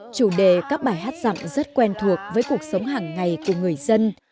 chủ đề các bài hát dặm rất quen thuộc với cuộc sống hàng ngày của người dân